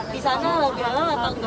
di sana halal bihalal atau enggak